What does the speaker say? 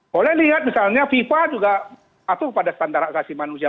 boleh lihat misalnya viva juga atur pada standar hak asasi manusia